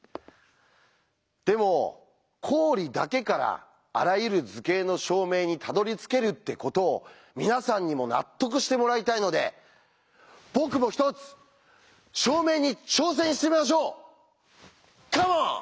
でも公理だけからあらゆる図形の証明にたどりつけるってことを皆さんにも納得してもらいたいので僕も１つ証明に挑戦してみましょうカモン！